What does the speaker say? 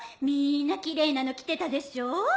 みんな奇麗なの着てたでしょ。